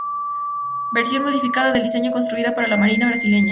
Versión modificada del diseño construida para la marina Brasileña.